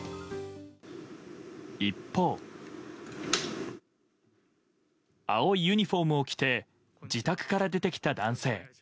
一方、青いユニホームを着て自宅から出てきた男性。